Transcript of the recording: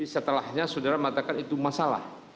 setelahnya saudara mengatakan itu masalah